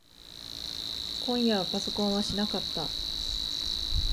今夜はパソコンはしなかった。